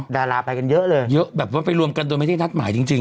ดาราไปกันเยอะเลยเยอะแบบว่าไปรวมกันโดยไม่ได้นัดหมายจริงจริง